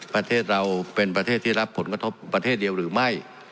ประเทศเราเป็นประเทศที่รับผลกระทบประเทศเดียวหรือไม่